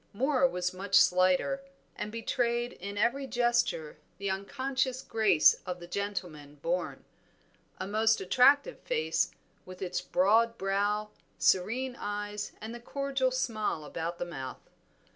Moor was much slighter, and betrayed in every gesture the unconscious grace of the gentleman born. A most attractive face, with its broad brow, serene eyes, and the cordial smile about the mouth.